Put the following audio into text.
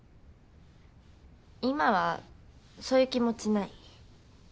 今はそういう気持ちない。